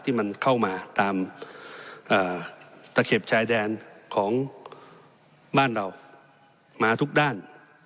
ที่มันเข้ามาตามตะเข็บชายแดนของบ้านเรามาทุกด้าน